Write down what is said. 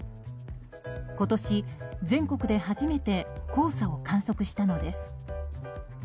今年全国で初めて黄砂を観測したのです。